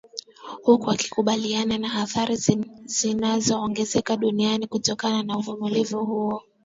huku wakikabiliana na atahri zinazoongezeka duniani kutokana na uvamizi huo